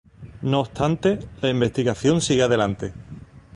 No obstante, la investigación sigue adelante.